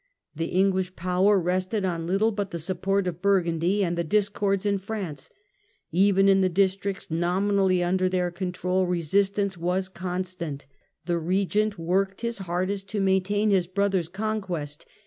The English power Bed?ord^°*^ested on little but the support of Burgundy and the discords in France; even in the districts nominally under their control resistance was constant. The Regent worked his hardest to maintain his brother's conquest.